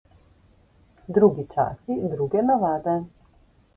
Drugi časi, druge navade.